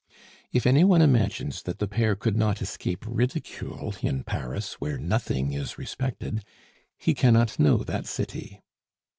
If any one imagines that the pair could not escape ridicule in Paris, where nothing is respected, he cannot know that city.